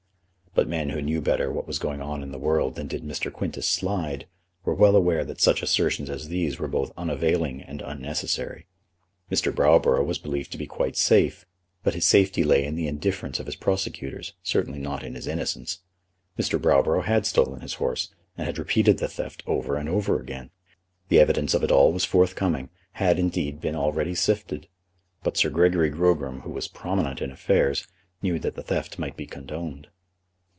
But men who knew better what was going on in the world than did Mr. Quintus Slide, were well aware that such assertions as these were both unavailing and unnecessary. Mr. Browborough was believed to be quite safe; but his safety lay in the indifference of his prosecutors, certainly not in his innocence. Any one prominent in affairs can always see when a man may steal a horse and when a man may not look over a hedge. Mr. Browborough had stolen his horse, and had repeated the theft over and over again. The evidence of it all was forthcoming, had, indeed, been already sifted. But Sir Gregory Grogram, who was prominent in affairs, knew that the theft might be condoned.